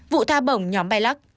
vụ tha bổng nhóm bay lắc